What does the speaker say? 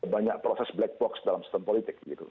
banyak proses black box dalam sistem politik